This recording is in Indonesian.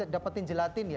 dapatin gelatin ya